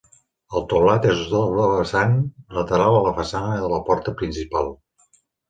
El teulat és a doble vessant, lateral a la façana de la porta principal.